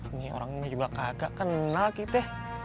ini orangnya juga kagak kenal kita